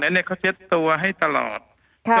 แล้วเขาเช็ดตัวให้ตลอดครับ